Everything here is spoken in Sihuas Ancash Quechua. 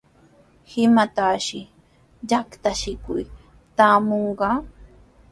¿Imayshi yatrachikuq traamunqa?